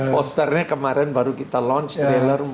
posternya kemarin baru kita launch trailer